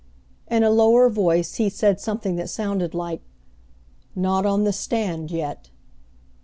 In a lower voice he said something that sounded like, "Not on the stand yet."